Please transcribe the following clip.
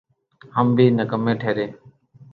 ہم بھی نکمّے ٹھہرے۔